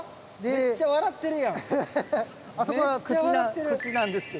めっちゃ笑ってる。